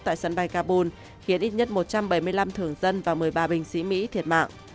tại sân bay kabul khiến ít nhất một trăm bảy mươi năm thường dân và một mươi ba binh sĩ mỹ thiệt mạng